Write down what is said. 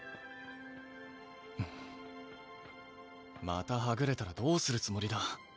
またはぐれたらどうするつもりだ。